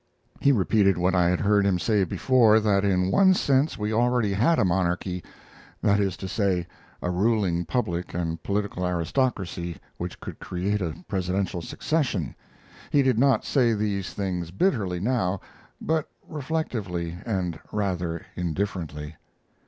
He repeated what I had heard him say before, that in one sense we already had a monarchy; that is to say, a ruling public and political aristocracy which could create a Presidential succession. He did not say these things bitterly now, but reflectively and rather indifferently.